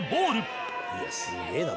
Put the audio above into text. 「いやすげえな。